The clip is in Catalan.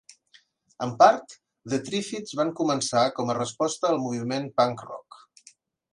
En part, The Triffids van començar com a resposta al moviment punk rock.